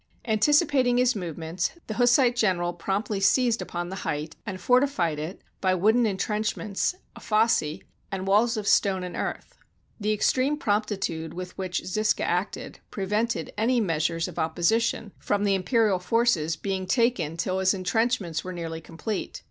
Anticipating his movements, the Hussite general promptly seized upon the height, and fortified it, by wooden intrenchments, a fosse, and walls of stone and earth. The extreme promptitude with which Zisca acted, prevented any measures of opposition from the imperial 277 AUSTRLA. HUNGARY forces being taken till his intrenchments were nearly complete.